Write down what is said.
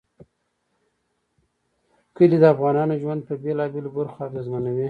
کلي د افغانانو ژوند په بېلابېلو برخو اغېزمنوي.